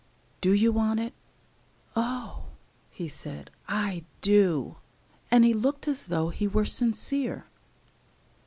"Do you want it?" "Oh!" he said, "I do;" and he looked as though he were sincere.